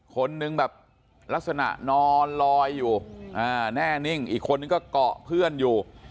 คนนึงแบบลักษณะนอนลอยอยู่แน่นิ่งอีกคนนึงก็เกาะเพื่อนอยู่